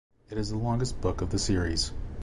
It is the longest book of the series.